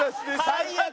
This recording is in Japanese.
最悪！